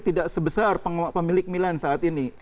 tidak sebesar pemilik milan saat ini